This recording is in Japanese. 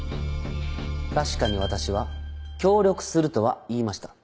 確かに私は「協力する」とは言いました。